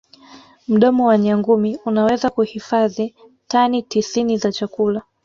mdomo wa nyangumi unaweza kuhifazi tani tisini za chakula